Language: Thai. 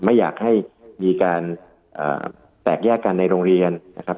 ไม่อยากให้มีการแตกแยกกันในโรงเรียนนะครับ